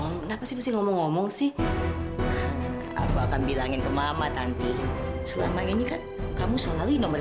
ngomong ngomong sih aku akan bilangin ke mama tanti selama ini kan kamu selalu nomor